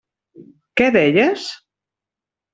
Què deies?